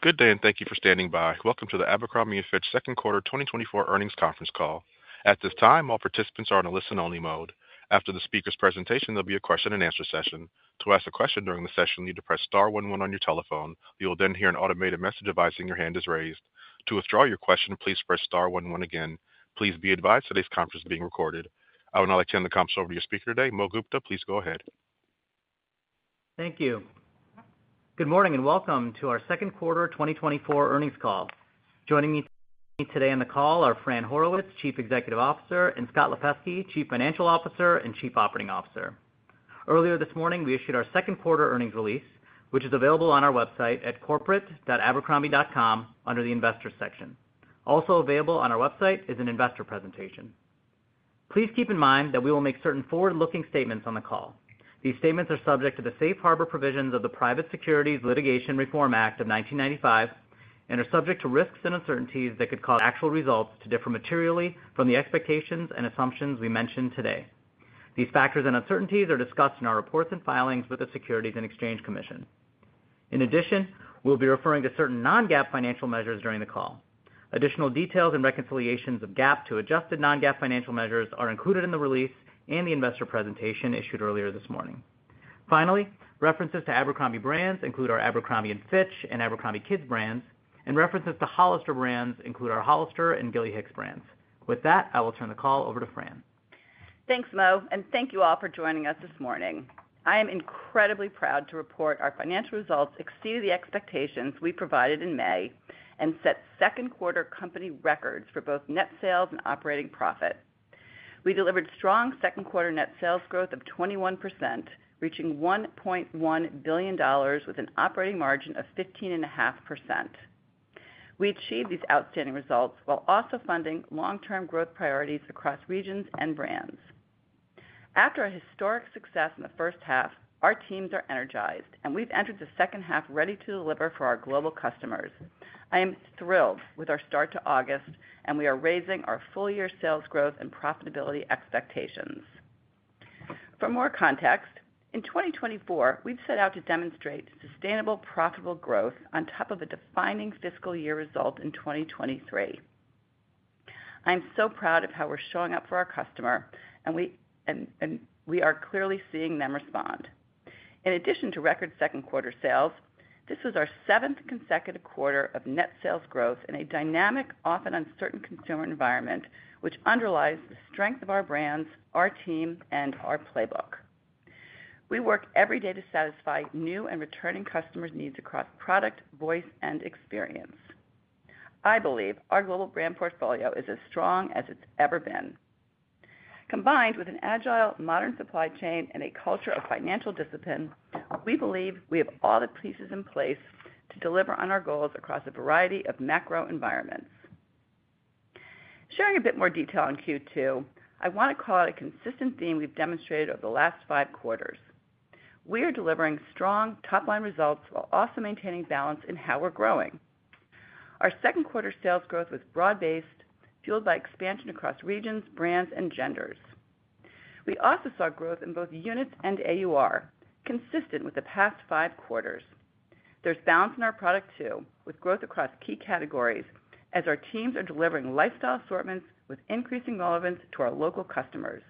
Good day, and thank you for standing by. Welcome to the Abercrombie & Fitch second quarter 2024 earnings conference call. At this time, all participants are on a listen-only mode. After the speaker's presentation, there'll be a question-and-answer session. To ask a question during the session, you need to press star one one on your telephone. You will then hear an automated message advising your hand is raised. To withdraw your question, please press star one one again. Please be advised today's conference is being recorded. I would now like to turn the conference over to your speaker today, Mo Gupta. Please go ahead. Thank you. Good morning, and welcome to our second quarter twenty twenty-four earnings call. Joining me today on the call are Fran Horowitz, Chief Executive Officer, and Scott Lipesky, Chief Financial Officer and Chief Operating Officer. Earlier this morning, we issued our second quarter earnings release, which is available on our website at corporate.abercrombie.com under the Investors section. Also available on our website is an investor presentation. Please keep in mind that we will make certain forward-looking statements on the call. These statements are subject to the Safe Harbor Provisions of the Private Securities Litigation Reform Act of nineteen ninety-five and are subject to risks and uncertainties that could cause actual results to differ materially from the expectations and assumptions we mention today. These factors and uncertainties are discussed in our reports and filings with the Securities and Exchange Commission. In addition, we'll be referring to certain non-GAAP financial measures during the call. Additional details and reconciliations of GAAP to adjusted non-GAAP financial measures are included in the release and the investor presentation issued earlier this morning. Finally, references to Abercrombie brands include our Abercrombie and Fitch and Abercrombie Kids brands, and references to Hollister brands include our Hollister and Gilly Hicks brands. With that, I will turn the call over to Fran. Thanks, Mo, and thank you all for joining us this morning. I am incredibly proud to report our financial results exceeded the expectations we provided in May and set second quarter company records for both net sales and operating profit. We delivered strong second quarter net sales growth of 21%, reaching $1.1 billion with an operating margin of 15.5%. We achieved these outstanding results while also funding long-term growth priorities across regions and brands. After a historic success in the first half, our teams are energized, and we've entered the second half ready to deliver for our global customers. I am thrilled with our start to August, and we are raising our full-year sales growth and profitability expectations. For more context, in 2024, we've set out to demonstrate sustainable, profitable growth on top of a defining fiscal year result in 2023. I'm so proud of how we're showing up for our customer, and we are clearly seeing them respond. In addition to record second quarter sales, this was our seventh consecutive quarter of net sales growth in a dynamic, often uncertain consumer environment, which underlies the strength of our brands, our team, and our playbook. We work every day to satisfy new and returning customers' needs across product, voice, and experience. I believe our global brand portfolio is as strong as it's ever been. Combined with an agile, modern supply chain and a culture of financial discipline, we believe we have all the pieces in place to deliver on our goals across a variety of macro environments. Sharing a bit more detail on Q2, I wanna call out a consistent theme we've demonstrated over the last five quarters. We are delivering strong top-line results while also maintaining balance in how we're growing. Our second quarter sales growth was broad-based, fueled by expansion across regions, brands, and genders. We also saw growth in both units and AUR, consistent with the past five quarters. There's balance in our product, too, with growth across key categories as our teams are delivering lifestyle assortments with increasing relevance to our local customers.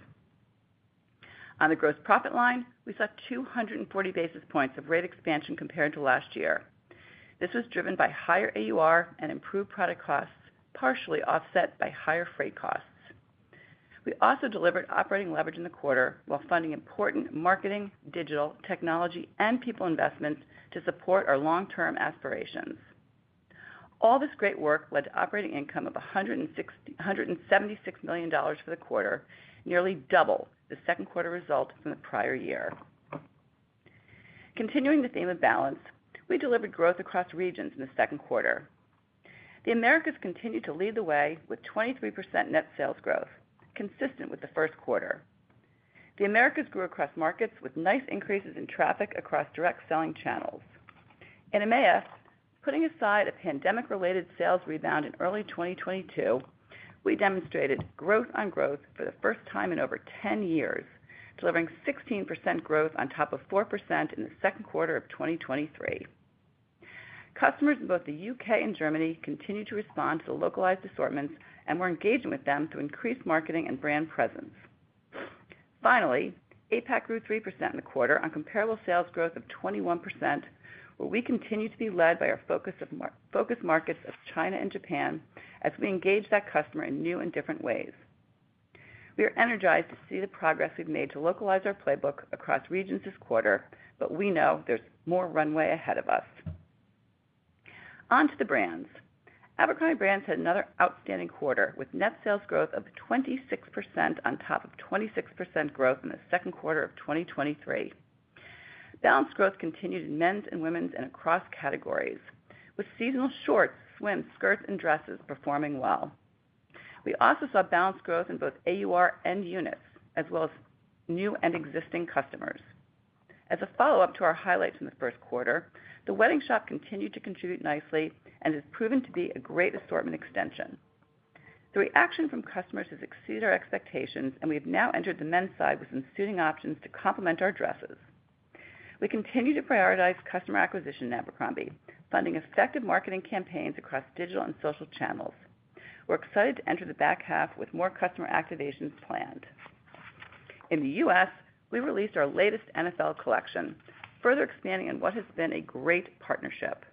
On the gross profit line, we saw two hundred and forty basis points of rate expansion compared to last year. This was driven by higher AUR and improved product costs, partially offset by higher freight costs. We also delivered operating leverage in the quarter while funding important marketing, digital, technology, and people investments to support our long-term aspirations. All this great work led to operating income of $176 million for the quarter, nearly double the second quarter results from the prior year. Continuing the theme of balance, we delivered growth across regions in the second quarter. The Americas continued to lead the way with 23% net sales growth, consistent with the first quarter. The Americas grew across markets with nice increases in traffic across direct selling channels. In EMEA, putting aside a pandemic-related sales rebound in early 2022, we demonstrated growth on growth for the first time in over ten years, delivering 16% growth on top of 4% in the second quarter of 2023. Customers in both the U.K. and Germany continued to respond to the localized assortments, and we're engaging with them through increased marketing and brand presence. Finally, APAC grew 3% in the quarter on comparable sales growth of 21%, where we continue to be led by our focus markets of China and Japan as we engage that customer in new and different ways. We are energized to see the progress we've made to localize our playbook across regions this quarter, but we know there's more runway ahead of us. On to the brands. Abercrombie brands had another outstanding quarter, with net sales growth of 26% on top of 26% growth in the second quarter of 2023. Balanced growth continued in men's and women's and across categories, with seasonal shorts, swim, skirts, and dresses performing well. We also saw balanced growth in both AUR and units, as well as new and existing customers. As a follow-up to our highlights in the first quarter, the Wedding Shop continued to contribute nicely and has proven to be a great assortment extension. The reaction from customers has exceeded our expectations, and we have now entered the men's side with some suiting options to complement our dresses. We continue to prioritize customer acquisition in Abercrombie, funding effective marketing campaigns across digital and social channels. We're excited to enter the back half with more customer activations planned. In the U.S., we released our latest NFL collection, further expanding on what has been a great partnership.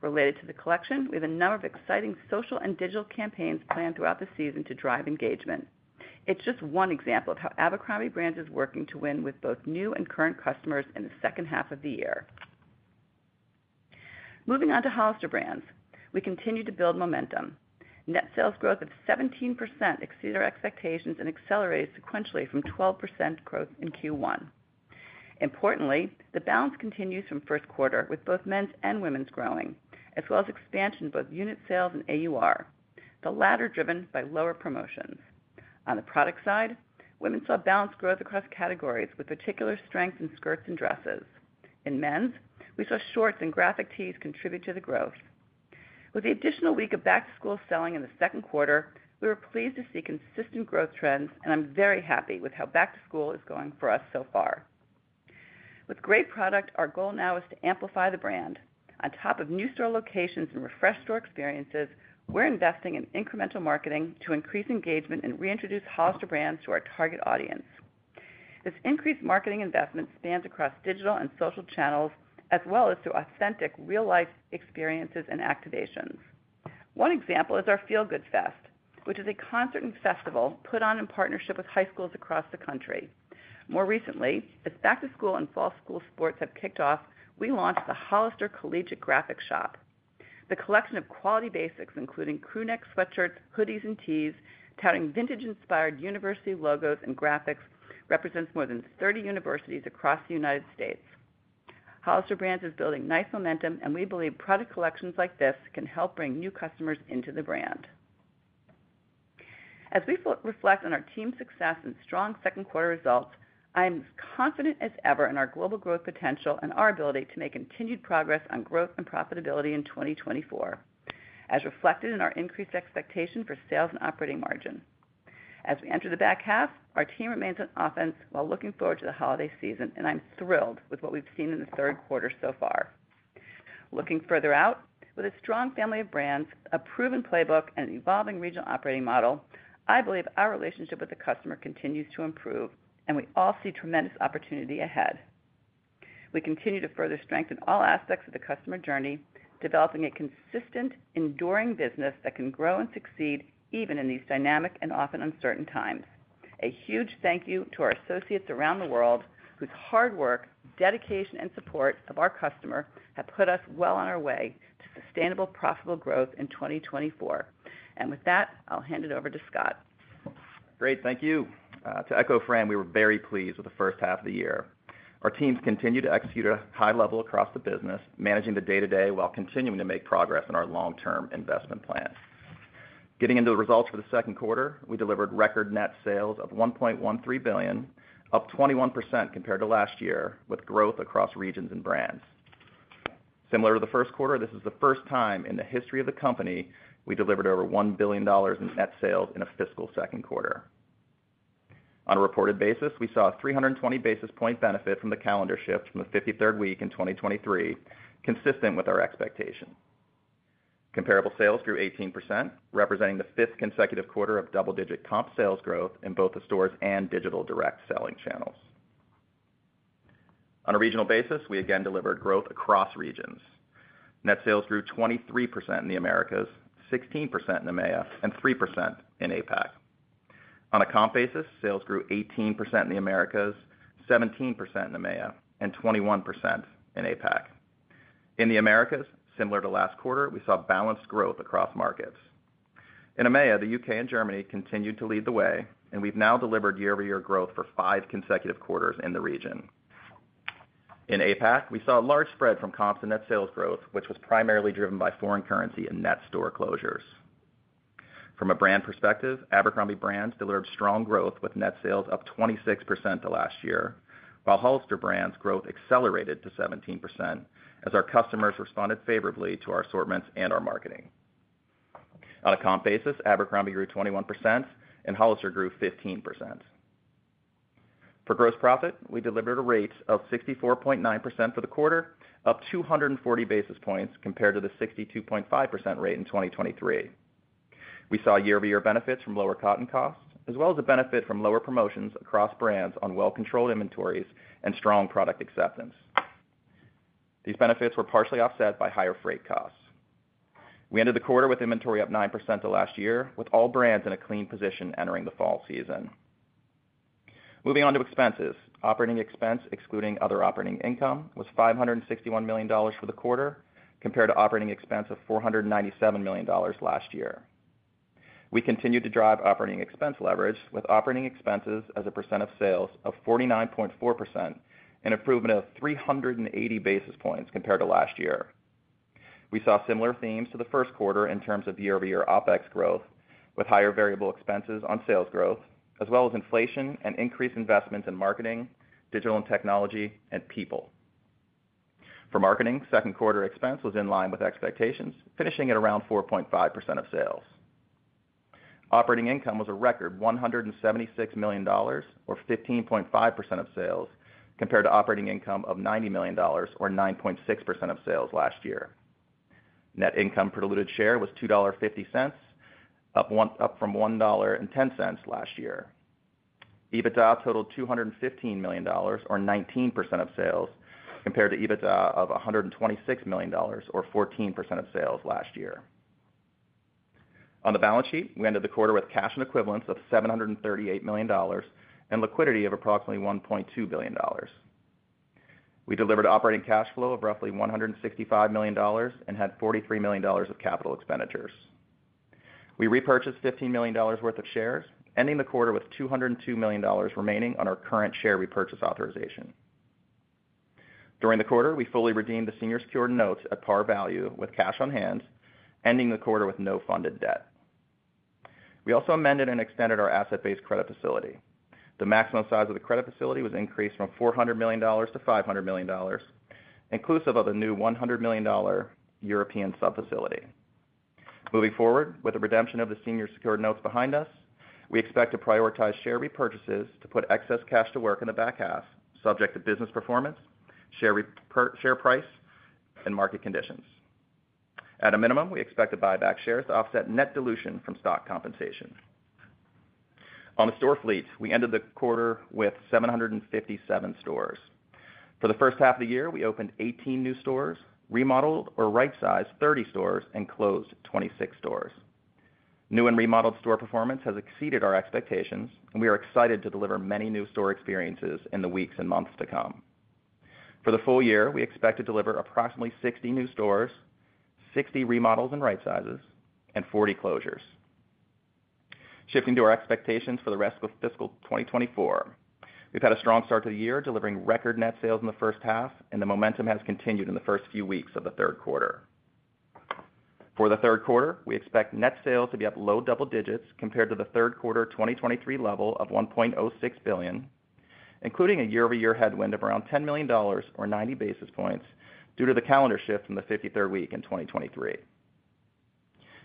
Related to the collection, we have a number of exciting social and digital campaigns planned throughout the season to drive engagement. It's just one example of how Abercrombie Brands is working to win with both new and current customers in the second half of the year. Moving on to Hollister Brands, we continue to build momentum. Net sales growth of 17% exceeded our expectations and accelerated sequentially from 12% growth in Q1. Importantly, the balance continues from first quarter, with both men's and women's growing, as well as expansion in both unit sales and AUR, the latter driven by lower promotions. On the product side, women saw balanced growth across categories, with particular strength in skirts and dresses. In men's, we saw shorts and graphic tees contribute to the growth. With the additional week of back-to-school selling in the second quarter, we were pleased to see consistent growth trends, and I'm very happy with how back-to-school is going for us so far. With great product, our goal now is to amplify the brand. On top of new store locations and refreshed store experiences, we're investing in incremental marketing to increase engagement and reintroduce Hollister Brands to our target audience. This increased marketing investment spans across digital and social channels, as well as through authentic real-life experiences and activations. One example is our Feel Good Fest, which is a concert and festival put on in partnership with high schools across the country. More recently, as back-to-school and fall school sports have kicked off, we launched the Hollister Collegiate Graphic Shop. The collection of quality basics, including crew neck sweatshirts, hoodies, and tees, touting vintage-inspired university logos and graphics, represents more than thirty universities across the United States. Hollister Brands is building nice momentum, and we believe product collections like this can help bring new customers into the brand. As we reflect on our team's success and strong second quarter results, I am as confident as ever in our global growth potential and our ability to make continued progress on growth and profitability in twenty twenty-four, as reflected in our increased expectation for sales and operating margin. As we enter the back half, our team remains on offense while looking forward to the holiday season, and I'm thrilled with what we've seen in the third quarter so far. Looking further out, with a strong family of brands, a proven playbook, and an evolving regional operating model, I believe our relationship with the customer continues to improve, and we all see tremendous opportunity ahead. We continue to further strengthen all aspects of the customer journey, developing a consistent, enduring business that can grow and succeed even in these dynamic and often uncertain times. A huge thank you to our associates around the world, whose hard work, dedication, and support of our customer have put us well on our way to sustainable, profitable growth in 2024. And with that, I'll hand it over to Scott. Great, thank you. To echo Fran, we were very pleased with the first half of the year. Our teams continued to execute at a high level across the business, managing the day-to-day while continuing to make progress in our long-term investment plan. Getting into the results for the second quarter, we delivered record net sales of $1.13 billion, up 21% compared to last year, with growth across regions and brands. Similar to the first quarter, this is the first time in the history of the company we delivered over $1 billion in net sales in a fiscal second quarter. On a reported basis, we saw a 320 basis point benefit from the calendar shift from the fifty-third week in 2023, consistent with our expectation. Comparable sales grew 18%, representing the fifth consecutive quarter of double-digit comp sales growth in both the stores and digital direct selling channels. On a regional basis, we again delivered growth across regions. Net sales grew 23% in the Americas, 16% in EMEA, and 3% in APAC. On a comp basis, sales grew 18% in the Americas, 17% in EMEA, and 21% in APAC. In the Americas, similar to last quarter, we saw balanced growth across markets. In EMEA, the U.K. and Germany continued to lead the way, and we've now delivered year-over-year growth for five consecutive quarters in the region. In APAC, we saw a large spread from comp to net sales growth, which was primarily driven by foreign currency and net store closures. From a brand perspective, Abercrombie Brands delivered strong growth with net sales up 26% to last year, while Hollister Brands' growth accelerated to 17% as our customers responded favorably to our assortments and our marketing. On a comp basis, Abercrombie grew 21% and Hollister grew 15%. For gross profit, we delivered a rate of 64.9% for the quarter, up 240 basis points compared to the 62.5% rate in 2023. We saw year-over-year benefits from lower cotton costs, as well as a benefit from lower promotions across brands on well-controlled inventories and strong product acceptance. These benefits were partially offset by higher freight costs. We ended the quarter with inventory up 9% to last year, with all brands in a clean position entering the fall season. Moving on to expenses. Operating expense, excluding other operating income, was $561 million for the quarter, compared to operating expense of $497 million last year. We continued to drive operating expense leverage with operating expenses as a percent of sales of 49.4%, an improvement of 380 basis points compared to last year. We saw similar themes to the first quarter in terms of year-over-year OpEx growth, with higher variable expenses on sales growth, as well as inflation and increased investments in marketing, digital and technology, and people.... For marketing, second quarter expense was in line with expectations, finishing at around 4.5% of sales. Operating income was a record $176 million, or 15.5% of sales, compared to operating income of $90 million or 9.6% of sales last year. Net income per diluted share was $2.50, up from $1.10 last year. EBITDA totaled $215 million or 19% of sales, compared to EBITDA of $126 million or 14% of sales last year. On the balance sheet, we ended the quarter with cash and equivalents of $738 million and liquidity of approximately $1.2 billion. We delivered operating cash flow of roughly $165 million and had $43 million of capital expenditures. We repurchased $15 million worth of shares, ending the quarter with $202 million remaining on our current share repurchase authorization. During the quarter, we fully redeemed the Senior Secured Notes at par value with cash on hand, ending the quarter with no funded debt. We also amended and extended our Asset-Based Credit Facility. The maximum size of the credit facility was increased from $400 million to $500 million, inclusive of a new $100 million European sub-facility. Moving forward, with the redemption of the Senior Secured Notes behind us, we expect to prioritize share repurchases to put excess cash to work in the back half, subject to business performance, share price, and market conditions. At a minimum, we expect to buy back shares to offset net dilution from stock compensation. On the store fleet, we ended the quarter with 757 stores. For the first half of the year, we opened 18 new stores, remodeled or right-sized 30 stores, and closed 26 stores. New and remodeled store performance has exceeded our expectations, and we are excited to deliver many new store experiences in the weeks and months to come. For the full year, we expect to deliver approximately 60 new stores, 60 remodels and right sizes, and 40 closures. Shifting to our expectations for the rest of fiscal 2024. We've had a strong start to the year, delivering record net sales in the first half, and the momentum has continued in the first few weeks of the third quarter. For the third quarter, we expect net sales to be up low double digits compared to the third quarter 2023 level of $1.06 billion, including a year-over-year headwind of around $10 million or 90 basis points due to the calendar shift in the 53rd week in 2023.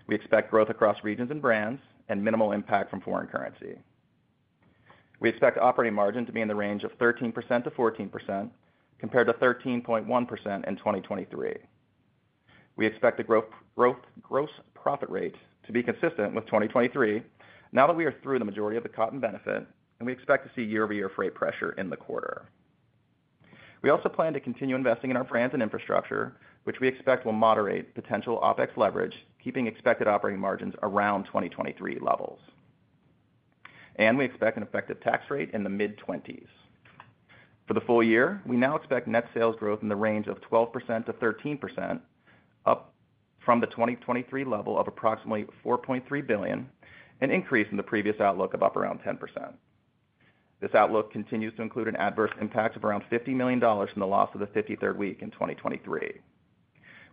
We expect growth across regions and brands and minimal impact from foreign currency. We expect operating margin to be in the range of 13%-14%, compared to 13.1% in 2023. We expect the gross profit rate to be consistent with 2023, now that we are through the majority of the cotton benefit, and we expect to see year-over-year freight pressure in the quarter. We also plan to continue investing in our brands and infrastructure, which we expect will moderate potential OpEx leverage, keeping expected operating margins around 2023 levels. We expect an effective tax rate in the mid-20s%. For the full year, we now expect net sales growth in the range of 12%-13%, up from the 2023 level of approximately $4.3 billion, an increase in the previous outlook of up around 10%. This outlook continues to include an adverse impact of around $50 million from the loss of the 53rd week in 2023.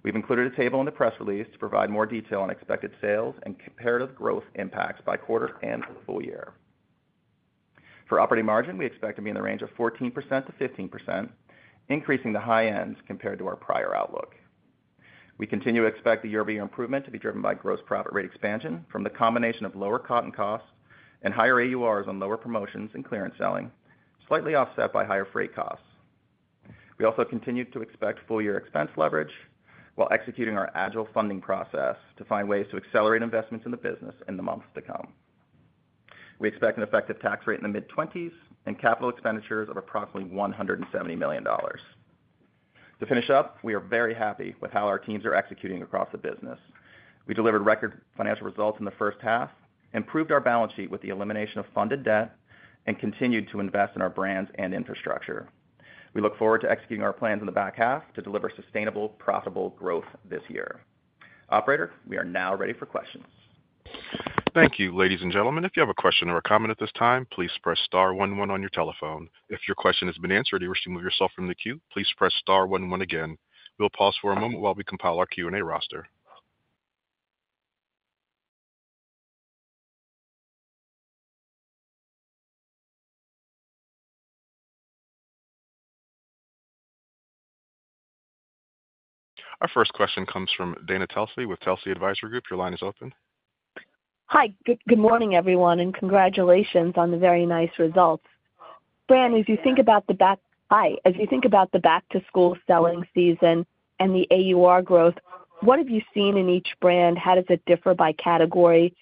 We've included a table in the press release to provide more detail on expected sales and comparative growth impacts by quarter and for the full year. For operating margin, we expect to be in the range of 14%-15%, increasing the high ends compared to our prior outlook. We continue to expect the year-over-year improvement to be driven by gross profit rate expansion from the combination of lower cotton costs and higher AURs on lower promotions and clearance selling, slightly offset by higher freight costs. We also continue to expect full-year expense leverage while executing our agile funding process to find ways to accelerate investments in the business in the months to come. We expect an effective tax rate in the mid-20s% and capital expenditures of approximately $170 million. To finish up, we are very happy with how our teams are executing across the business. We delivered record financial results in the first half, improved our balance sheet with the elimination of funded debt, and continued to invest in our brands and infrastructure. We look forward to executing our plans in the back half to deliver sustainable, profitable growth this year. Operator, we are now ready for questions. Thank you. Ladies and gentlemen, if you have a question or a comment at this time, please press star one one on your telephone. If your question has been answered, and you wish to remove yourself from the queue, please press star one one again. We'll pause for a moment while we compile our Q&A roster. Our first question comes from Dana Telsey with Telsey Advisory Group. Your line is open. Hi, good morning, everyone, and congratulations on the very nice results. Fran, as you think about the back-to-school selling season and the AUR growth, what have you seen in each brand? How does it differ by category?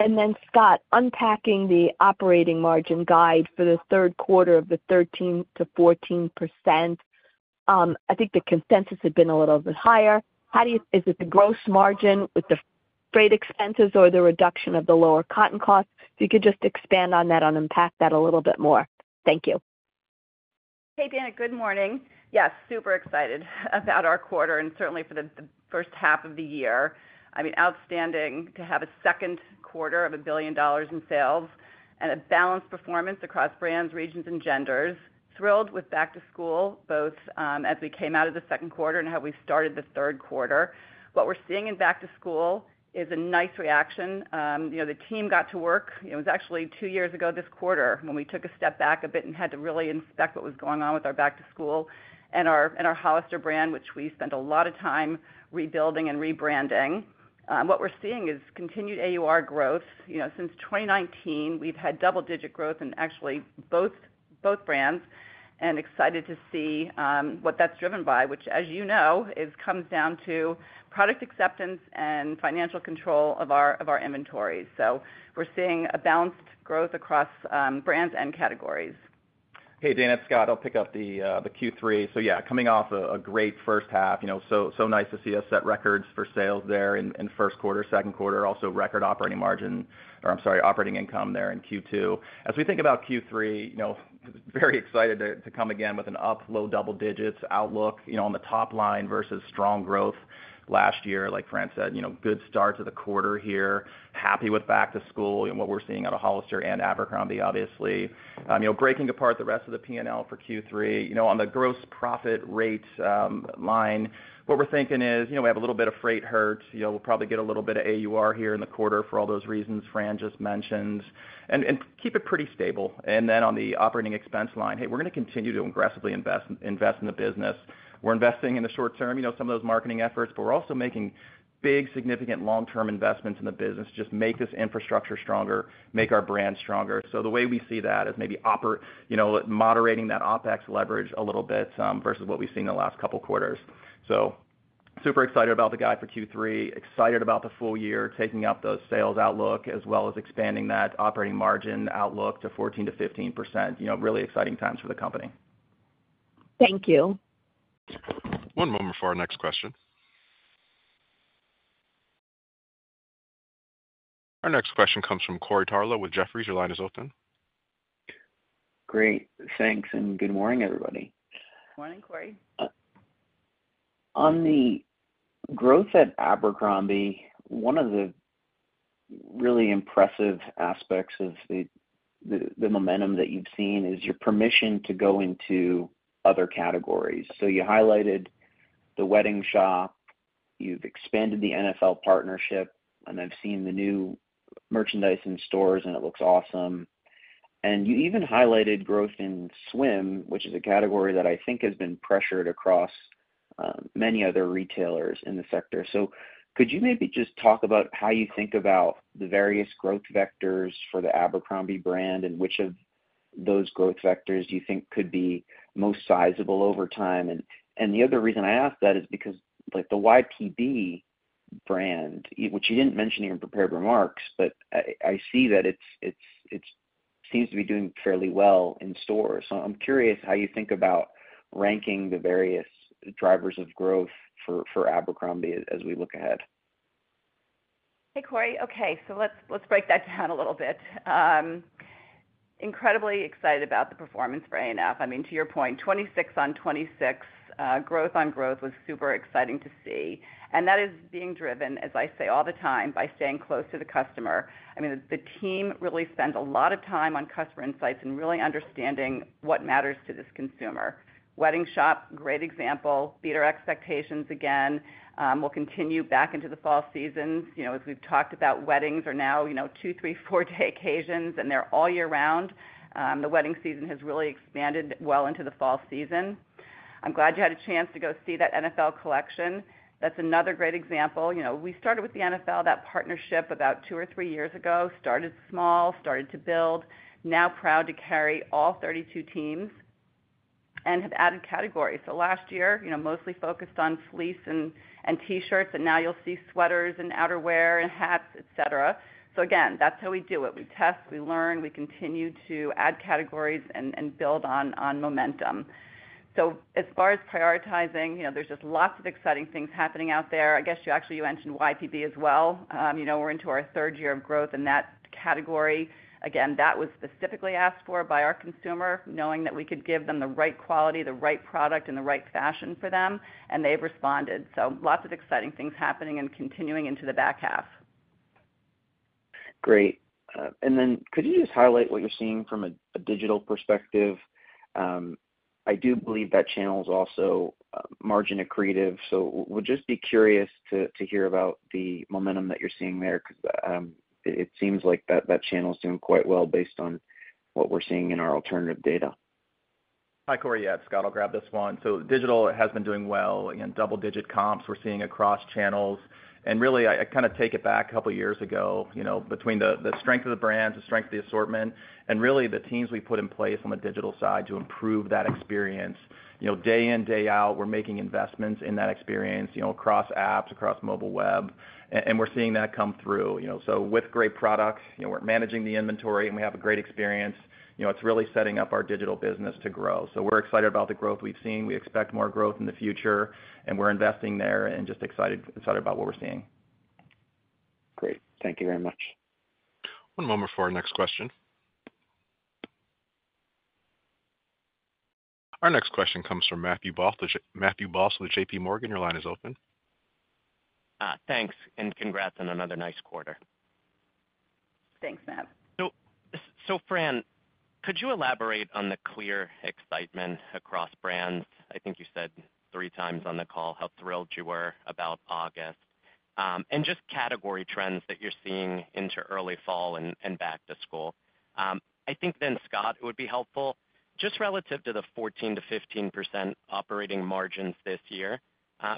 And then, Scott, unpacking the operating margin guide for the third quarter of 13%-14%, I think the consensus had been a little bit higher. Is it the gross margin with the freight expenses or the reduction of the lower cotton costs? If you could just expand on that, on impact that a little bit more. Thank you. Hey, Dana. Good morning. Yes, super excited about our quarter and certainly for the first half of the year. I mean, outstanding to have a second quarter of $1 billion in sales and a balanced performance across brands, regions, and genders. Thrilled with back-to-school, both as we came out of the second quarter and how we started the third quarter. What we're seeing in back to school is a nice reaction. You know, the team got to work. It was actually two years ago this quarter when we took a step back a bit and had to really inspect what was going on with our back to school and our Hollister brand, which we spent a lot of time rebuilding and rebranding.... What we're seeing is continued AUR growth. You know, since twenty nineteen, we've had double-digit growth in actually both brands, and excited to see what that's driven by, which, as you know, it comes down to product acceptance and financial control of our inventory. So we're seeing a balanced growth across brands and categories. Hey, Dana, it's Scott. I'll pick up the Q3. So yeah, coming off a great first half, you know, so nice to see us set records for sales there in first quarter, second quarter, also record operating margin, or I'm sorry, operating income there in Q2. As we think about Q3, you know, very excited to come again with an up low double digits outlook, you know, on the top line versus strong growth last year. Like Fran said, you know, good start to the quarter here. Happy with back to school and what we're seeing out of Hollister and Abercrombie, obviously. You know, breaking apart the rest of the P&L for Q3, you know, on the gross profit rate line, what we're thinking is, you know, we have a little bit of freight hurt. You know, we'll probably get a little bit of AUR here in the quarter for all those reasons Fran just mentioned, and keep it pretty stable. And then on the operating expense line, hey, we're gonna continue to aggressively invest in the business. We're investing in the short term, you know, some of those marketing efforts, but we're also making big, significant long-term investments in the business. Just make this infrastructure stronger, make our brand stronger. So the way we see that is maybe you know, moderating that OpEx leverage a little bit versus what we've seen in the last couple of quarters. So super excited about the guide for Q3, excited about the full year, taking up those sales outlook, as well as expanding that operating margin outlook to 14%-15%. You know, really exciting times for the company. Thank you. One moment for our next question. Our next question comes from Corey Tarlowe with Jefferies. Your line is open. Great. Thanks, and good morning, everybody. Morning, Corey. On the growth at Abercrombie, one of the really impressive aspects of the momentum that you've seen is your permission to go into other categories. So you highlighted the wedding shop, you've expanded the NFL partnership, and I've seen the new merchandise in stores, and it looks awesome. And you even highlighted growth in swim, which is a category that I think has been pressured across, many other retailers in the sector. So could you maybe just talk about how you think about the various growth vectors for the Abercrombie brand, and which of those growth vectors do you think could be most sizable over time? And the other reason I ask that is because, like, the YPB brand, which you didn't mention in your prepared remarks, but I see that it seems to be doing fairly well in stores. I'm curious how you think about ranking the various drivers of growth for Abercrombie as we look ahead. Hey, Corey. Okay, so let's break that down a little bit. Incredibly excited about the performance for ANF. I mean, to your point, twenty-six on twenty-six, growth on growth was super exciting to see, and that is being driven, as I say all the time, by staying close to the customer. I mean, the team really spends a lot of time on customer insights and really understanding what matters to this consumer. Wedding shop, great example, beat our expectations again. We'll continue back into the fall seasons. You know, as we've talked about, weddings are now, you know, two, three, four-day occasions, and they're all year round. The wedding season has really expanded well into the fall season. I'm glad you had a chance to go see that NFL collection. That's another great example. You know, we started with the NFL, that partnership about two or three years ago, started small, started to build. Now proud to carry all 32 teams and have added categories, so last year, you know, mostly focused on fleece and T-shirts, but now you'll see sweaters and outerwear and hats, et cetera, so again, that's how we do it. We test, we learn, we continue to add categories and build on momentum, so as far as prioritizing, you know, there's just lots of exciting things happening out there. I guess you actually mentioned YPB as well. You know, we're into our third year of growth in that category. Again, that was specifically asked for by our consumer, knowing that we could give them the right quality, the right product, and the right fashion for them, and they've responded. So lots of exciting things happening and continuing into the back half. Great. And then could you just highlight what you're seeing from a digital perspective? I do believe that channel is also margin accretive, so would just be curious to hear about the momentum that you're seeing there, because it seems like that channel is doing quite well based on what we're seeing in our alternative data. Hi, Corey. Yeah, Scott, I'll grab this one. So digital has been doing well. Again, double digit comps we're seeing across channels. And really, I, I kind of take it back a couple of years ago, you know, between the strength of the brands, the strength of the assortment, and really the teams we put in place on the digital side to improve that experience. You know, day in, day out, we're making investments in that experience, you know, across apps, across mobile web, and we're seeing that come through. You know, so with great products, you know, we're managing the inventory, and we have a great experience. You know, it's really setting up our digital business to grow. So we're excited about the growth we've seen. We expect more growth in the future, and we're investing there and just excited, excited about what we're seeing. Great. Thank you very much. One moment for our next question. Our next question comes from Matthew Boss. Matthew Boss with JPMorgan. Your line is open. Thanks, and congrats on another nice quarter. Thanks, Matt. So, so Fran, could you elaborate on the clear excitement across brands? I think you said three times on the call how thrilled you were about August, and just category trends that you're seeing into early fall and back to school. I think then, Scott, it would be helpful, just relative to the 14%-15% operating margins this year,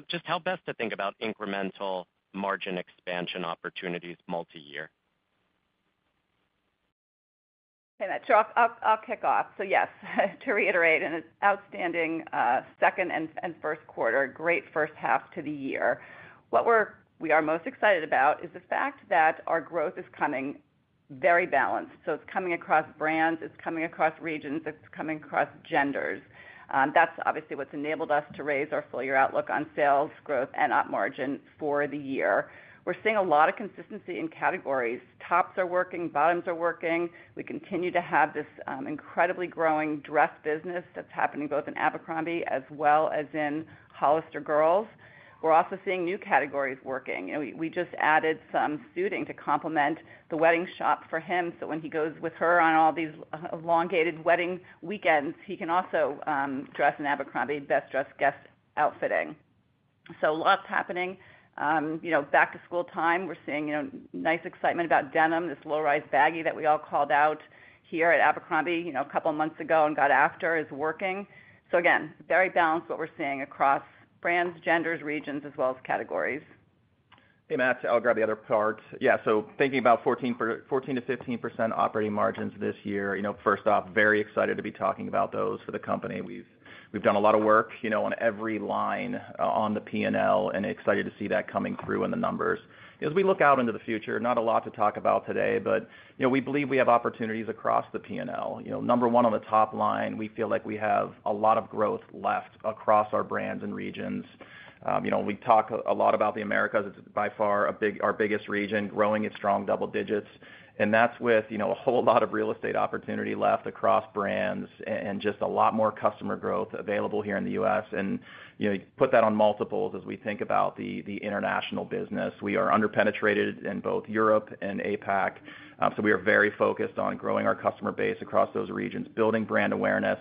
just how best to think about incremental margin expansion opportunities multi-year?... Hey, Matt. So I'll kick off. So yes, to reiterate, an outstanding second and first quarter, great first half to the year. What we are most excited about is the fact that our growth is coming very balanced. So it's coming across brands, it's coming across regions, it's coming across genders. That's obviously what's enabled us to raise our full year outlook on sales growth and op margin for the year. We're seeing a lot of consistency in categories. Tops are working, bottoms are working. We continue to have this incredibly growing dress business that's happening both in Abercrombie as well as in Hollister Girls. We're also seeing new categories working, and we just added some suiting to complement the Wedding Shop for him, so when he goes with her on all these elongated wedding weekends, he can also dress in Abercrombie Best-Dressed Guest outfitting. So lots happening. You know, back to school time, we're seeing, you know, nice excitement about denim, this low-rise baggy that we all called out here at Abercrombie, you know, a couple of months ago and got after is working. So again, very balanced what we're seeing across brands, genders, regions, as well as categories. Hey, Matt, I'll grab the other part. Yeah, so thinking about 14%-15% operating margins this year, you know, first off, very excited to be talking about those for the company. We've done a lot of work, you know, on every line on the P&L, and excited to see that coming through in the numbers. As we look out into the future, not a lot to talk about today, but, you know, we believe we have opportunities across the P&L. You know, number one, on the top line, we feel like we have a lot of growth left across our brands and regions. You know, we talk a lot about the Americas. It's by far our biggest region, growing at strong double digits, and that's with, you know, a whole lot of real estate opportunity left across brands and just a lot more customer growth available here in the U.S. You know, you put that on multiples as we think about the international business. We are under-penetrated in both Europe and APAC, so we are very focused on growing our customer base across those regions, building brand awareness,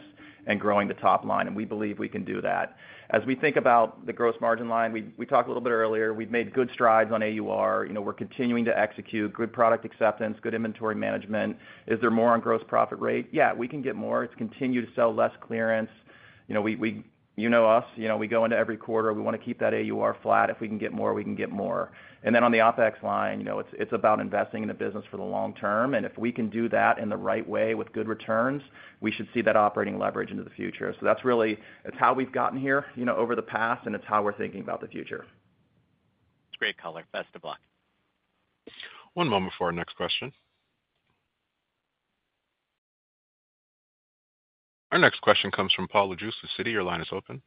and growing the top line, and we believe we can do that. As we think about the gross margin line, we talked a little bit earlier, we've made good strides on AUR. You know, we're continuing to execute good product acceptance, good inventory management. Is there more on gross profit rate? Yeah, we can get more to continue to sell less clearance. You know, we—you know us, you know, we go into every quarter, we wanna keep that AUR flat. If we can get more, we can get more. And then on the OpEx line, you know, it's about investing in the business for the long term, and if we can do that in the right way with good returns, we should see that operating leverage into the future. So that's really... It's how we've gotten here, you know, over the past, and it's how we're thinking about the future. It's great color. Best of luck. One moment before our next question. Our next question comes from Paul Lejuez with Citi. Your line is open.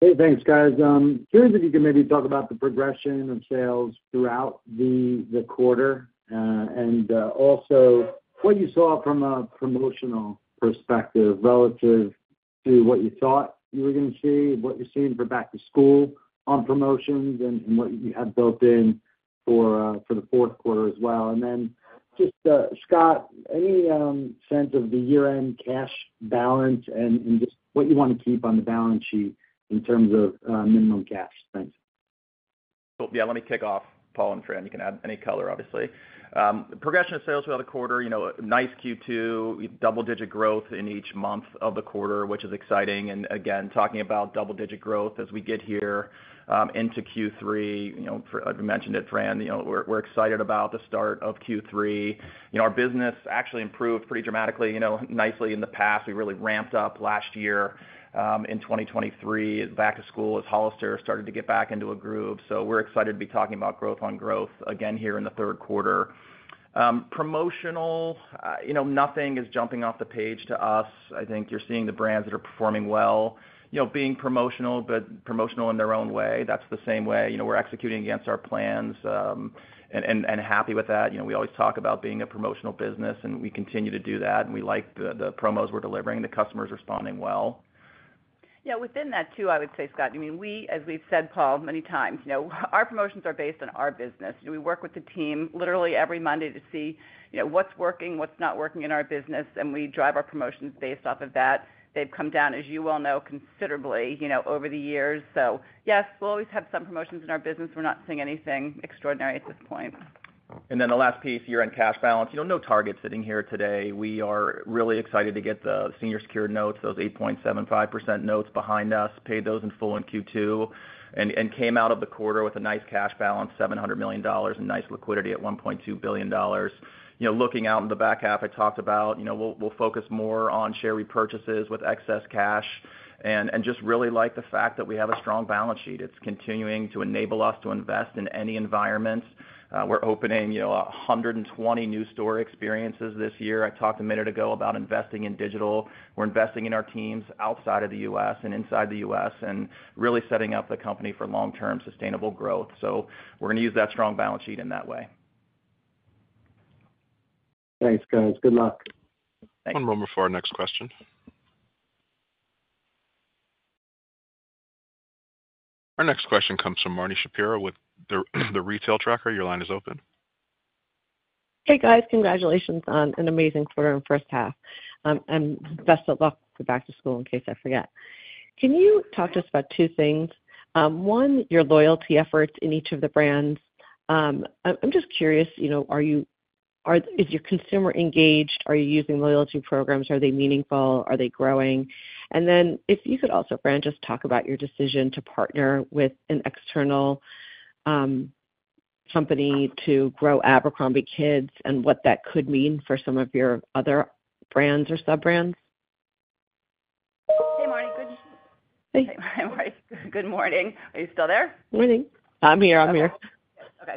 Hey, thanks, guys. Curious if you could maybe talk about the progression of sales throughout the quarter, and also what you saw from a promotional perspective relative to what you thought you were gonna see, what you're seeing for back to school on promotions, and what you have built in for the fourth quarter as well, and then just, Scott, any sense of the year-end cash balance and just what you want to keep on the balance sheet in terms of minimum cash? Thanks. Yeah, let me kick off, Paul, and Fran. You can add any color, obviously. The progression of sales throughout the quarter, you know, nice Q2, double-digit growth in each month of the quarter, which is exciting. And again, talking about double-digit growth as we get here, into Q3, you know, as we mentioned it, Fran, you know, we're excited about the start of Q3. You know, our business actually improved pretty dramatically, you know, nicely in the past. We really ramped up last year, in 2023, back to school as Hollister started to get back into a groove. So we're excited to be talking about growth on growth again here in the third quarter. Promotional, you know, nothing is jumping off the page to us. I think you're seeing the brands that are performing well, you know, being promotional, but promotional in their own way. That's the same way. You know, we're executing against our plans, and happy with that. You know, we always talk about being a promotional business, and we continue to do that, and we like the promos we're delivering. The customer is responding well. Yeah, within that, too, I would say, Scott, I mean, we, as we've said, Paul, many times, you know, our promotions are based on our business. We work with the team literally every Monday to see, you know, what's working, what's not working in our business, and we drive our promotions based off of that. They've come down, as you well know, considerably, you know, over the years. So yes, we'll always have some promotions in our business. We're not seeing anything extraordinary at this point. And then the last piece, year-end cash balance. You know, no target sitting here today. We are really excited to get the Senior Secured Notes, those 8.75% notes behind us, paid those in full in Q2, and came out of the quarter with a nice cash balance, $700 million, and nice liquidity at $1.2 billion. You know, looking out in the back half, I talked about, you know, we'll focus more on share repurchases with excess cash and just really like the fact that we have a strong balance sheet. It's continuing to enable us to invest in any environment. We're opening, you know, 120 new store experiences this year. I talked a minute ago about investing in digital. We're investing in our teams outside of the U.S. and inside the U.S., and really setting up the company for long-term, sustainable growth. So we're gonna use that strong balance sheet in that way. Thanks, guys. Good luck. Thanks. One moment before our next question. Our next question comes from Marni Shapiro with the Retail Tracker. Your line is open. Hey, guys. Congratulations on an amazing quarter and first half. And best of luck with back to school, in case I forget. Can you talk to us about two things? One, your loyalty efforts in each of the brands. I'm just curious, you know, is your consumer engaged? Are you using loyalty programs? Are they meaningful? Are they growing? And then if you could also, Fran, just talk about your decision to partner with an external company to grow Abercrombie Kids and what that could mean for some of your other brands or sub-brands.... Hey, Marni, good. Hey, good morning. Are you still there? Morning. I'm here, I'm here. Okay.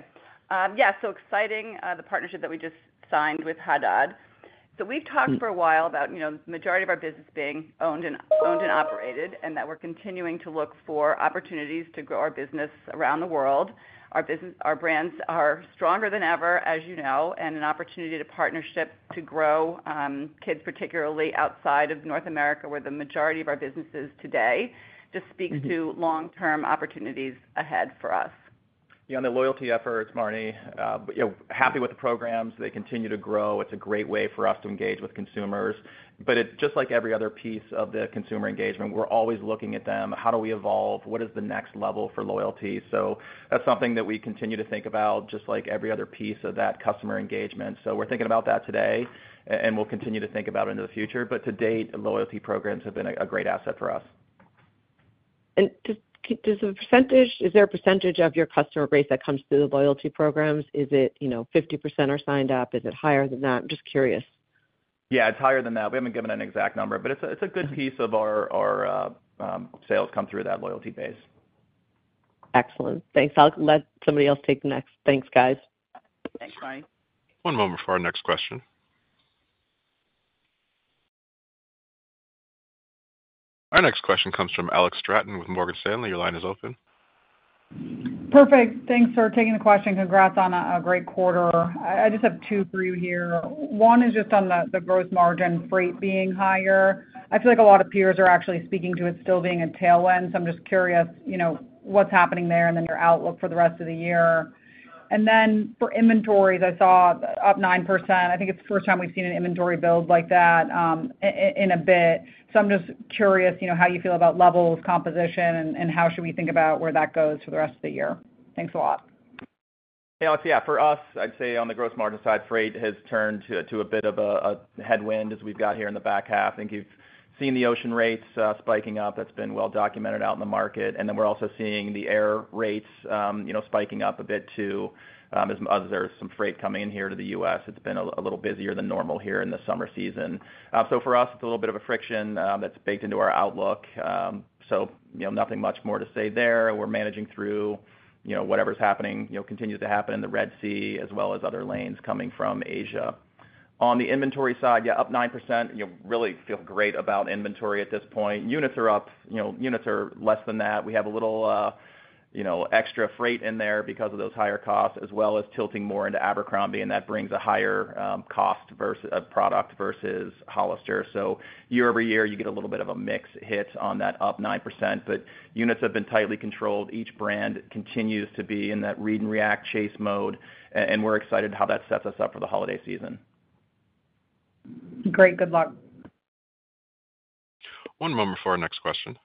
Yeah, so exciting, the partnership that we just signed with Haddad. So we've talked for a while about, you know, the majority of our business being owned and operated, and that we're continuing to look for opportunities to grow our business around the world. Our brands are stronger than ever, as you know, and an opportunity to partnership to grow kids, particularly outside of North America, where the majority of our businesses today, just speaks to long-term opportunities ahead for us. Yeah, on the loyalty efforts, Marni, you know, happy with the programs. They continue to grow. It's a great way for us to engage with consumers, but it's just like every other piece of the consumer engagement, we're always looking at them. How do we evolve? What is the next level for loyalty? So that's something that we continue to think about, just like every other piece of that customer engagement. So we're thinking about that today, and we'll continue to think about it into the future. But to date, the loyalty programs have been a great asset for us. And just, is there a percentage of your customer base that comes through the loyalty programs? Is it, you know, 50% are signed up? Is it higher than that? I'm just curious. Yeah, it's higher than that. We haven't given an exact number, but it's a good piece of our sales come through that loyalty base. Excellent. Thanks. I'll let somebody else take the next. Thanks, guys. Thanks, Marni. One moment for our next question. Our next question comes from Alex Straton with Morgan Stanley. Your line is open. Perfect. Thanks for taking the question. Congrats on a great quarter. I just have two for you here. One is just on the growth margin, freight being higher. I feel like a lot of peers are actually speaking to it still being a tailwind, so I'm just curious, you know, what's happening there and then your outlook for the rest of the year. And then for inventories, I saw up 9%. I think it's the first time we've seen an inventory build like that, in a bit. So I'm just curious, you know, how you feel about levels, composition, and how should we think about where that goes for the rest of the year? Thanks a lot. Yeah, yeah. For us, I'd say on the gross margin side, freight has turned to a bit of a headwind as we've got here in the back half. I think you've seen the ocean rates spiking up. That's been well documented out in the market. And then we're also seeing the air rates, you know, spiking up a bit, too. As there's some freight coming in here to the U.S., it's been a little busier than normal here in the summer season. So for us, it's a little bit of a friction that's baked into our outlook. So, you know, nothing much more to say there. We're managing through, you know, whatever's happening, you know, continues to happen in the Red Sea, as well as other lanes coming from Asia. On the inventory side, yeah, up 9%, you know, really feel great about inventory at this point. Units are up, you know, units are less than that. We have a little, you know, extra freight in there because of those higher costs, as well as tilting more into Abercrombie, and that brings a higher cost versus product versus Hollister. So year over year, you get a little bit of a mix hit on that up 9%, but units have been tightly controlled. Each brand continues to be in that read and react chase mode, and we're excited how that sets us up for the holiday season. Great. Good luck. One moment for our next question.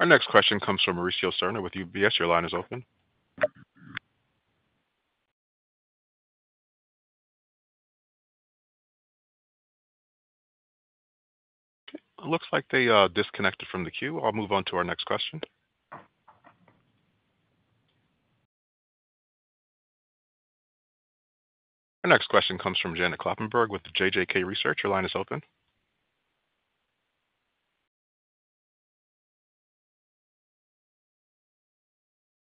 Our next question comes from Mauricio Serna with UBS. Your line is open. It looks like they disconnected from the queue. I'll move on to our next question. Our next question comes from Janet Kloppenburg with the JJK Research. Your line is open.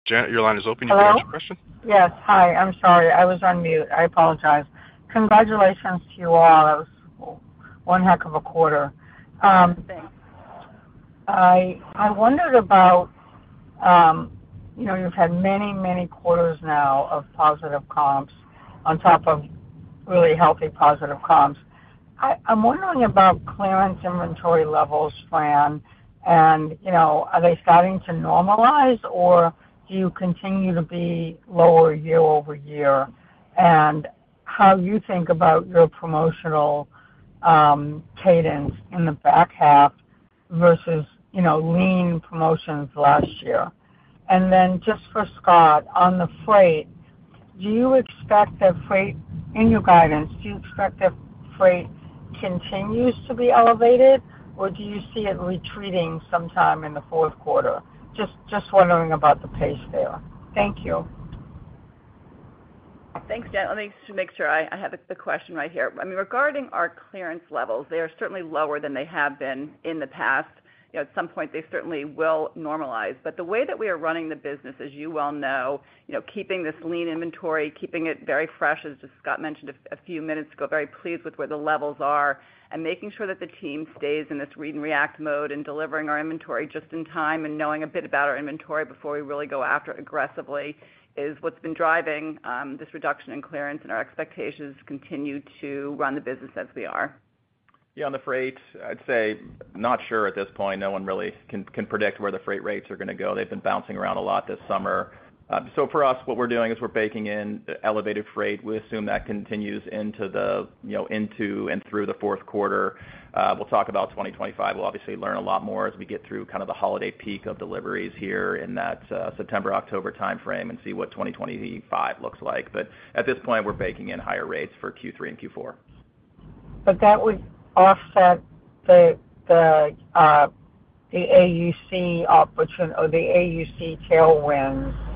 Jan, your line is open. Hello? You can ask your question. Yes. Hi, I'm sorry. I was on mute. I apologize. Congratulations to you all. That was one heck of a quarter. Thanks. I wondered about... You know, you've had many, many quarters now of positive comps on top of really healthy, positive comps. I'm wondering about clearance inventory levels, Fran, and, you know, are they starting to normalize, or do you continue to be lower year over year? And how you think about your promotional cadence in the back half versus, you know, lean promotions last year. And then just for Scott, on the freight, do you expect that freight-- in your guidance, do you expect that freight continues to be elevated, or do you see it retreating sometime in the fourth quarter? Just wondering about the pace there. Thank you. Thanks, Janet. Let me just make sure I have the question right here. I mean, regarding our clearance levels, they are certainly lower than they have been in the past. You know, at some point, they certainly will normalize. But the way that we are running the business, as you well know, you know, keeping this lean inventory, keeping it very fresh, as just Scott mentioned a few minutes ago, very pleased with where the levels are, and making sure that the team stays in this read and react mode, and delivering our inventory just in time, and knowing a bit about our inventory before we really go after it aggressively, is what's been driving this reduction in clearance, and our expectations continue to run the business as we are. Yeah, on the freight, I'd say not sure at this point. No one really can predict where the freight rates are gonna go. They've been bouncing around a lot this summer. So for us, what we're doing is we're baking in elevated freight. We assume that continues into the, you know, into and through the fourth quarter. We'll talk about twenty twenty-five. We'll obviously learn a lot more as we get through kind of the holiday peak of deliveries here in that September-October timeframe and see what twenty twenty-five looks like. But at this point, we're baking in higher rates for Q3 and Q4. But that would offset the AUC tailwinds?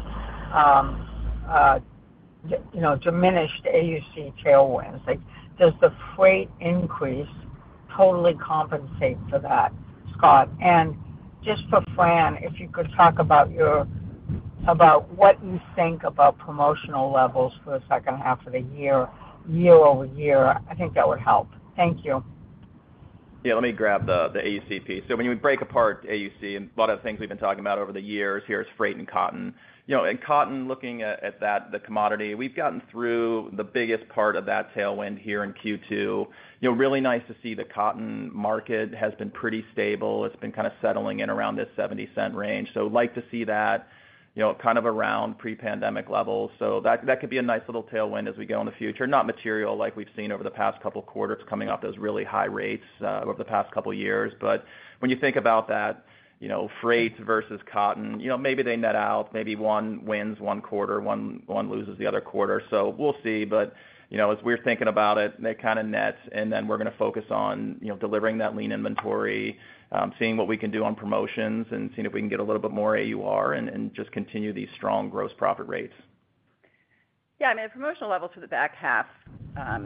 You know, diminished AUC tailwinds, like, does the freight increase totally compensate for that, Scott? And just for Fran, if you could talk about what you think about promotional levels for the second half of the year, year-over-year, I think that would help. Thank you. Yeah, let me grab the AUC piece. So when you break apart AUC, and a lot of the things we've been talking about over the years here is freight and cotton. You know, and cotton, looking at that, the commodity, we've gotten through the biggest part of that tailwind here in Q2. You know, really nice to see the cotton market has been pretty stable. It's been kind of settling in around this 70 cent range. So we'd like to see that, you know, kind of around pre-pandemic levels. So that, that could be a nice little tailwind as we go in the future. Not material like we've seen over the past couple quarters, coming off those really high rates over the past couple years. But when you think about that, you know, freight versus cotton, you know, maybe they net out, maybe one wins one quarter, one loses the other quarter. So we'll see. But, you know, as we're thinking about it, it kind of nets, and then we're gonna focus on, you know, delivering that lean inventory, seeing what we can do on promotions and seeing if we can get a little bit more AUR and just continue these strong gross profit rates. Yeah, I mean, the promotional level to the back half, yeah,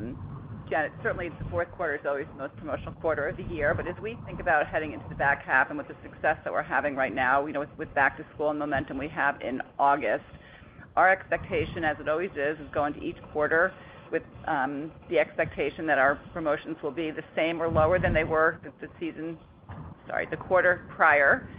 certainly the fourth quarter is always the most promotional quarter of the year. But as we think about heading into the back half and with the success that we're having right now, you know, with back to school and momentum we have in August, our expectation, as it always is, is go into each quarter with the expectation that our promotions will be the same or lower than they were the season... Sorry, the quarter prior.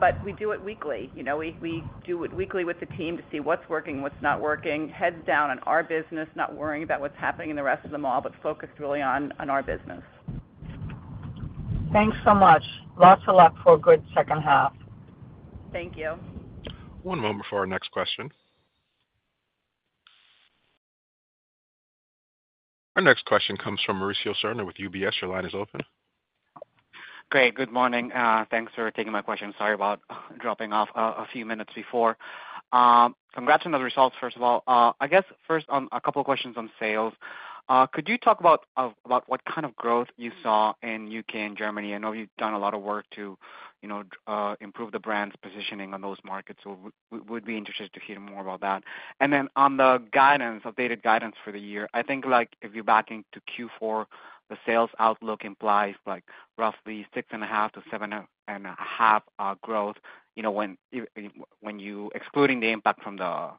But we do it weekly. You know, we do it weekly with the team to see what's working, what's not working, heads down on our business, not worrying about what's happening in the rest of the mall, but focused really on our business. Thanks so much. Lots of luck for a good second half. Thank you. One moment for our next question. Our next question comes from Mauricio Serna with UBS. Your line is open. Great. Good morning. Thanks for taking my question. Sorry about dropping off a few minutes before. Congrats on the results, first of all. I guess, first, a couple of questions on sales. Could you talk about what kind of growth you saw in U.K. and Germany? I know you've done a lot of work to, you know, improve the brand's positioning on those markets. So we'd be interested to hear more about that. And then on the guidance, updated guidance for the year, I think, like, if you're backing out to Q4, the sales outlook implies like roughly 6.5%-7.5% growth, you know, when excluding the impact from the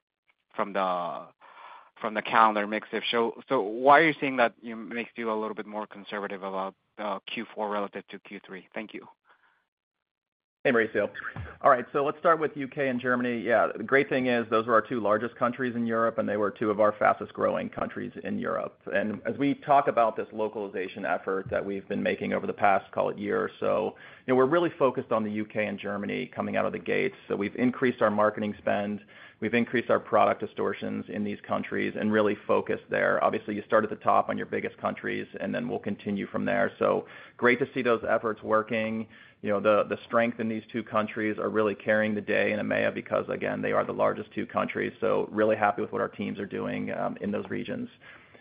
calendar shift. So why are you seeing that, you know, makes you a little bit more conservative about Q4 relative to Q3? Thank you. Hey, Mauricio. All right, so let's start with U.K. and Germany. Yeah, the great thing is those are our two largest countries in Europe, and they were two of our fastest-growing countries in Europe. And as we talk about this localization effort that we've been making over the past, call it year or so, you know, we're really focused on the U.K. and Germany coming out of the gates. So we've increased our marketing spend, we've increased our product assortments in these countries and really focused there. Obviously, you start at the top on your biggest countries, and then we'll continue from there. So great to see those efforts working. You know, the strength in these two countries is really carrying the day in EMEA, because, again, they are the largest two countries. So really happy with what our teams are doing in those regions.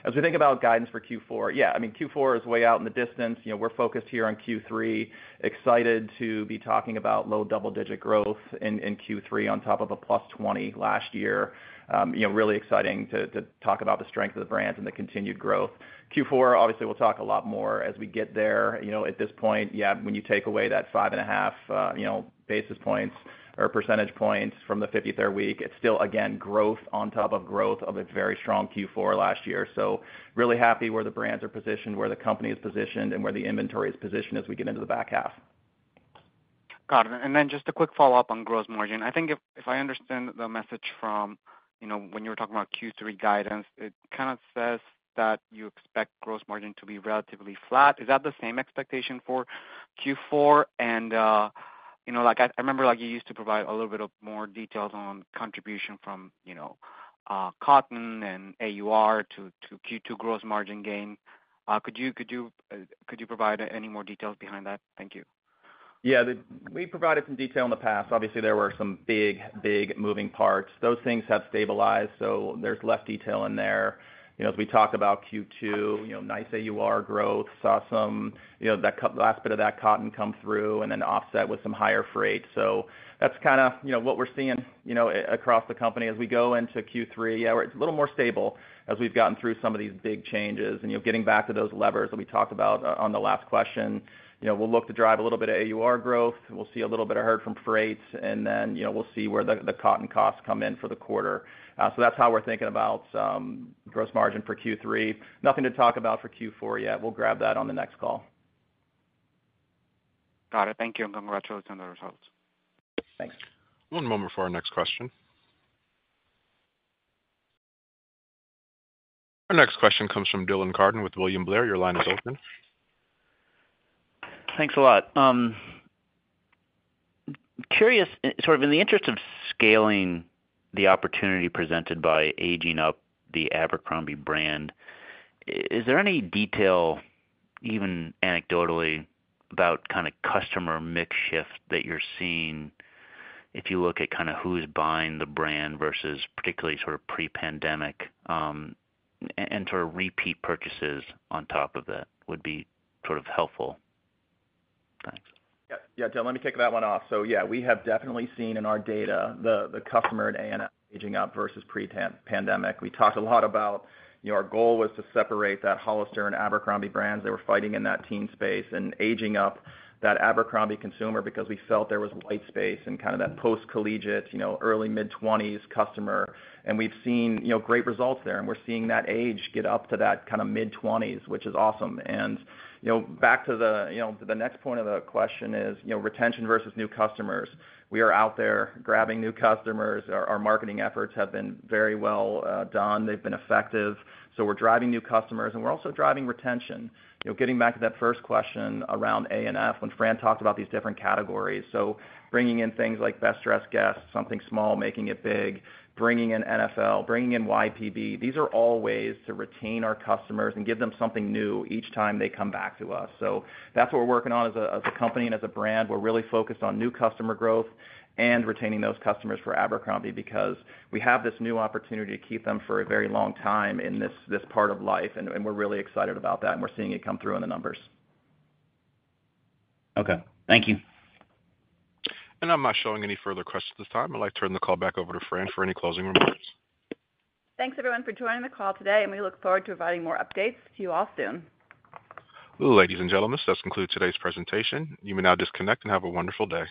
As we think about guidance for Q4, yeah, I mean, Q4 is way out in the distance. You know, we're focused here on Q3. Excited to be talking about low double-digit growth in Q3 on top of a plus twenty last year. You know, really exciting to talk about the strength of the brands and the continued growth. Q4, obviously, we'll talk a lot more as we get there. You know, at this point, yeah, when you take away that five and a half, you know, basis points or percentage points from the fifty-third week, it's still, again, growth on top of growth of a very strong Q4 last year. So really happy where the brands are positioned, where the company is positioned, and where the inventory is positioned as we get into the back half. Got it. And then just a quick follow-up on gross margin. I think if I understand the message from, you know, when you were talking about Q3 guidance, it kind of says that you expect gross margin to be relatively flat. Is that the same expectation for Q4? And, you know, like I remember, like you used to provide a little bit of more details on contribution from, you know, cotton and AUR to Q2 gross margin gain. Could you provide any more details behind that? Thank you. Yeah, we provided some detail in the past. Obviously, there were some big, big moving parts. Those things have stabilized, so there's less detail in there. You know, as we talk about Q2, you know, nice AUR growth, saw some, you know, that last bit of that cotton come through and then offset with some higher freight. So that's kind of, you know, what we're seeing, you know, across the company as we go into Q3. Yeah, we're a little more stable as we've gotten through some of these big changes. And, you know, getting back to those levers that we talked about on the last question, you know, we'll look to drive a little bit of AUR growth, we'll see a little bit of hurt from freight, and then, you know, we'll see where the cotton costs come in for the quarter. So that's how we're thinking about gross margin for Q3. Nothing to talk about for Q4 yet. We'll grab that on the next call. Got it. Thank you, and congratulations on the results. Thanks. One moment for our next question. Our next question comes from Dylan Carden with William Blair. Your line is open. Thanks a lot. Curious, sort of in the interest of scaling the opportunity presented by aging up the Abercrombie brand, is there any detail, even anecdotally, about kind of customer mix shift that you're seeing, if you look at kind of who's buying the brand versus particularly sort of pre-pandemic? And sort of repeat purchases on top of that would be sort of helpful. Thanks. Yeah, yeah, Dylan, let me kick that one off. So yeah, we have definitely seen in our data the customer at A&F aging up versus pre-pandemic. We talked a lot about, you know, our goal was to separate that Hollister and Abercrombie brands. They were fighting in that teen space and aging up that Abercrombie consumer because we felt there was white space in kind of that post-collegiate, you know, early mid-twenties customer. And we've seen, you know, great results there, and we're seeing that age get up to that kind of mid-twenties, which is awesome. And, you know, back to the, you know, the next point of the question is, you know, retention versus new customers. We are out there grabbing new customers. Our marketing efforts have been very well done. They've been effective. So we're driving new customers, and we're also driving retention. You know, getting back to that first question around A&F when Fran talked about these different categories. So bringing in things like Best Dressed Guests, something small, making it big, bringing in NFL, bringing in YPB, these are all ways to retain our customers and give them something new each time they come back to us. So that's what we're working on as a, as a company and as a brand. We're really focused on new customer growth and retaining those customers for Abercrombie, because we have this new opportunity to keep them for a very long time in this, this part of life, and, and we're really excited about that, and we're seeing it come through in the numbers. Okay. Thank you. I'm not showing any further questions at this time. I'd like to turn the call back over to Fran for any closing remarks. Thanks, everyone, for joining the call today, and we look forward to providing more updates to you all soon. Ladies and gentlemen, this concludes today's presentation. You may now disconnect and have a wonderful day.